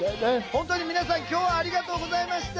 本当に皆さん今日はありがとうございました！